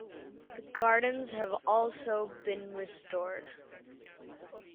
The gardens have also been restored.